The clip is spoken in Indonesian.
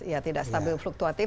ya tidak stabil fluktuatif